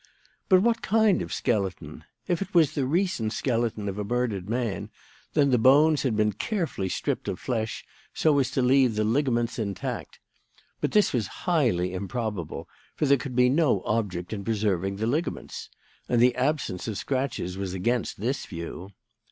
"But what kind of skeleton? If it was the recent skeleton of a murdered man, then the bones had been carefully stripped of flesh so as to leave the ligaments intact. But this was highly improbable; for there could be no object in preserving the ligaments. And the absence of scratches was against this view.